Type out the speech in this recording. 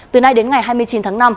từ nay đến ngày hai mươi chín tháng năm